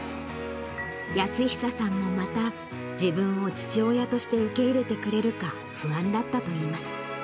泰久さんもまた、自分を父親として受け入れてくれるか、不安だったといいます。